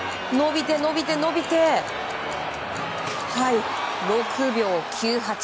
伸びて伸びて、６秒９８。